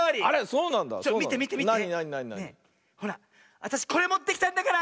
あたしこれもってきたんだから！